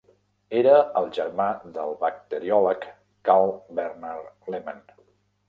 Era el germà del bacteriòleg Karl Bernhard Lehmann.